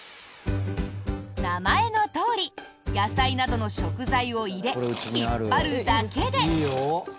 名前のとおり野菜などの食材を入れ引っ張るだけで。